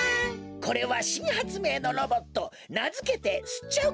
これはしんはつめいのロボットなづけてすっちゃう